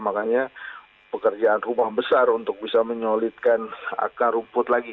makanya pekerjaan rumah besar untuk bisa menyolidkan akar rumput lagi